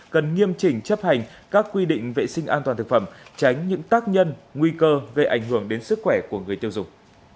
cần nghiêm chỉnh chấp hành các quy định vệ sinh an toàn thực phẩm tránh những tác nhân nguy cơ gây ảnh hưởng đến sức khỏe của người tiêu dùng